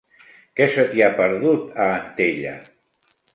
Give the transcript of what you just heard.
Què se t'hi ha perdut, a Antella?